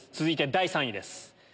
続いて第３位です。